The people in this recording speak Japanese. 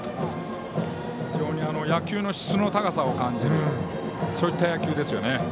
非常に野球の質の高さを感じるそういった野球ですよね。